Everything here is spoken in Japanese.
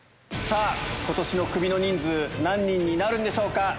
さぁ今年のクビの人数何人になるんでしょうか。